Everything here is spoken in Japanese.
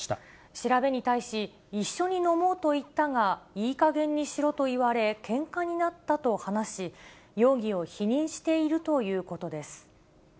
調べに対し、一緒に飲もうと言ったが、いいかげんにしろと言われ、けんかになったと話し、容疑を否認しているということです。